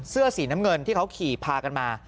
เสื้อสีน้ำเงินที่เขาขี่พากันมา